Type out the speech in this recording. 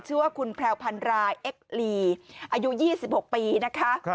ชื่อว่าคุณแพรวพันรายเอ็กลีอายุ๒๖ปีนะคะ